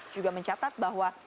juga mencatat bahwa